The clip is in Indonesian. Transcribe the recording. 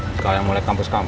sekalian mau liat kampus kami